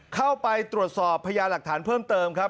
เข้าไปตรวจสอบพญาหลักฐานเพิ่มเติมครับ